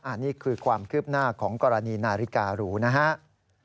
อันนี้คือความคืบหน้าของกรณีนาฬิการูนะครับ